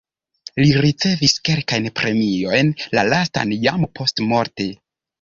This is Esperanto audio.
Li ricevis kelkajn premiojn, la lastan jam postmorte.